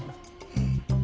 うん。